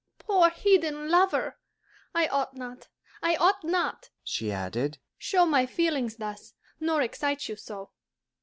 poor hidden lover! I ought not, I ought not," she added, "show my feelings thus, nor excite you so."